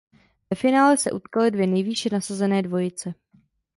Ve finále se utkaly dvě nejvýše nasazené dvojice.